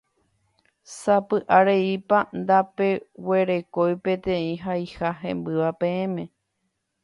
Sapy'areípa ndapeguerekói peteĩ haiha hembýva peẽme.